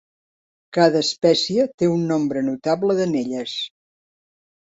Cada espècie té un nombre notable d'anelles.